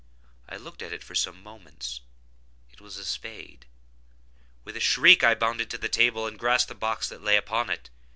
I looked at it for some minutes: it was a spade. With a shriek I bounded to the table, and grasped the box that lay upon it.